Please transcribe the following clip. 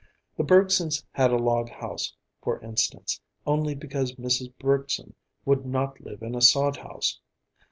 The Bergsons had a log house, for instance, only because Mrs. Bergson would not live in a sod house.